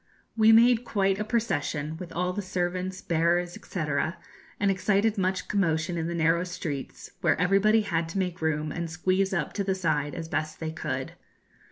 We made quite a procession, with all the servants, bearers, &c., and excited much commotion in the narrow streets, where everybody had to make room and squeeze up to the side as best they could.